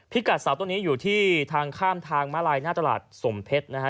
กัดเสาต้นนี้อยู่ที่ทางข้ามทางมาลายหน้าตลาดสมเพชรนะฮะ